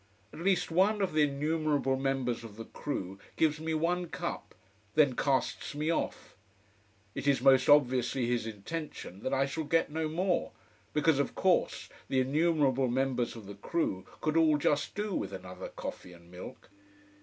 At least one of the innumerable members of the crew gives me one cup, then casts me off. It is most obviously his intention that I shall get no more: because of course the innumerable members of the crew could all just do with another coffee and milk.